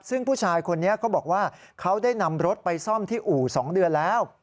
ซึ่งผู้ชายคนนี้เขาบอกว่าเขาได้นำรถไปซ่อมที่อู่๒เดือนแล้ว